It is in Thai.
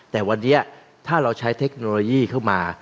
แต่วันนี้ถ้าเราใช้เทคโนโลยีเข้ามา